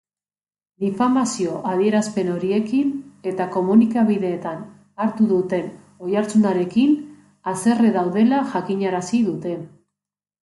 Difamazio adierazpen horiekin eta komunikabideetan hartu duten ohiartzunarekin haserre daudela jakinarazi dute.